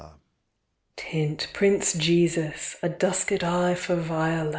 Angels. Tint, Prince Jesus, a Duskèd eye for Viola!